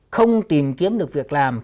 không tìm kiếm được việc làm